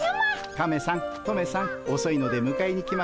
カメさんトメさんおそいのでむかえに来ましたよ。